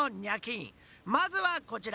まずはこちら。